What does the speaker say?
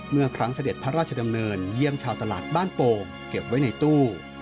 เมื่อครั้งเสด็จพระราชดำเนินเยี่ยมชาวตลาดบ้านโป่งเก็บไว้ในตู้